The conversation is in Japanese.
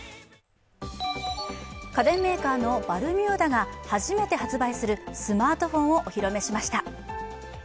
家電メーカーのバルミューダが初めて発売するスマートフォンをお披露目しました。